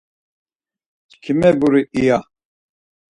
Çkimeburi iya...